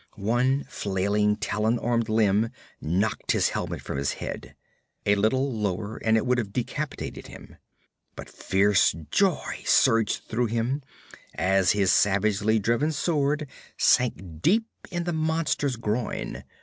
One flailing talon armed limb knocked his helmet from his head. A little lower and it would have decapitated him. But fierce joy surged through him as his savagely driven sword sank deep in the monster's groin.